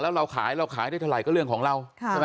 แล้วเราขายเราขายได้เท่าไหร่ก็เรื่องของเราใช่ไหม